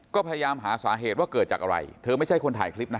ก็พยายามหาสาเหตุว่าเกิดจากอะไรเธอไม่ใช่คนถ่ายคลิปนะ